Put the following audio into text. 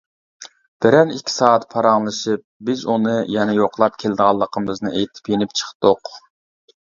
بىرەر -ئىككى سائەت پاراڭلىشىپ، بىز ئۇنى يەنە يوقلاپ كېلىدىغانلىقىمىزنى ئېيتىپ يېنىپ چىقتۇق.